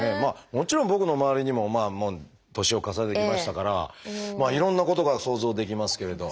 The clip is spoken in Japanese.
もちろん僕の周りにももう年を重ねてきましたからいろんなことが想像できますけれど。